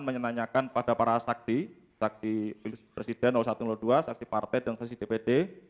menanyakan pada para saksi saksi presiden satu dua saksi partai dan saksi dpd